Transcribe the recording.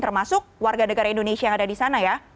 termasuk warga negara indonesia yang ada di sana ya